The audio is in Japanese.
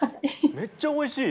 めっちゃおいしい！